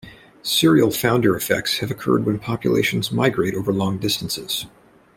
Serial founder effects have occurred when populations migrate over long distances.